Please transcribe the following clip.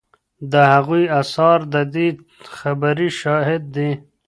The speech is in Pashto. د هغوی اثار د دې خبرې شاهد دي